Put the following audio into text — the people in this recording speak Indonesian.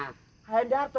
bukan keringet itu